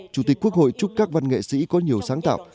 chủ tịch quốc hội chúc các văn nghệ sĩ có nhiều sáng tạo